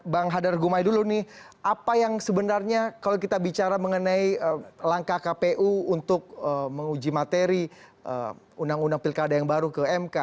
bang hadar gumai dulu nih apa yang sebenarnya kalau kita bicara mengenai langkah kpu untuk menguji materi undang undang pilkada yang baru ke mk